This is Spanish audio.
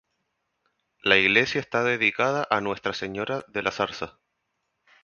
La iglesia está dedicada a Nuestra Señora de la Zarza.